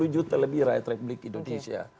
dua ratus tujuh puluh juta lebih rakyat republik indonesia